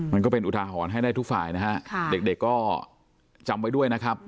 ก็เป็นอุทาหรณ์ให้ได้ทุกฝ่ายนะฮะเด็กก็จำไว้ด้วยนะครับ